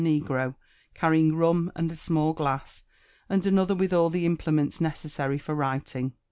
negro, carrying run^ and a small glass, and another with all the imple* ments necessary for writing.